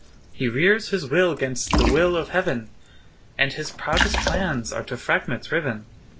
He rears his will 'gainst the will of heaven, And his proudest plans are to fragments riven.